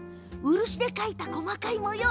漆で描いた細かい模様。